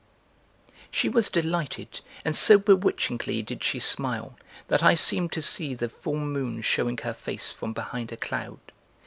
She was delighted and so be witchingly did she smile that I seemed to see the full moon showing her face from behind a cloud.